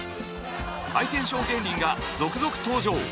ハイテンション芸人が続々登場。